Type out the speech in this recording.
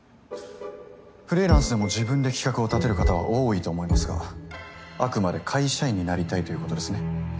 フリーランスでも自分で企画を立てる方は多いと思いますがあくまで会社員になりたいということですね？